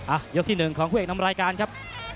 อ่ะยกที่๑ของผู้เอกนำรายการครับ